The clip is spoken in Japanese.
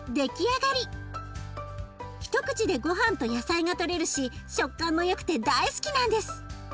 一口でごはんと野菜がとれるし食感もよくて大好きなんです。